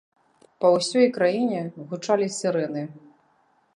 Па ўсёй краіне гучалі сірэны.